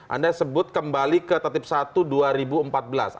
anda sebut kembali ke tertib satu tahun dua ribu empat belas